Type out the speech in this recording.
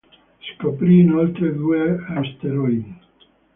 Scoprì inoltre due asteroidi.